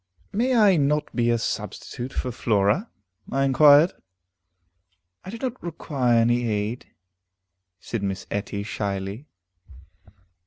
"May I not be a substitute for Flora?" I inquired. "I do not require any aid," said Miss Etty shyly.